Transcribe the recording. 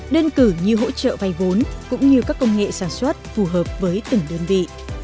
đơn cử như hỗ trợ vay vốn cũng như các công nghệ sản xuất phù hợp với từng đơn vị